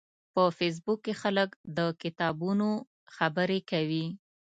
په فېسبوک کې خلک د کتابونو خبرې کوي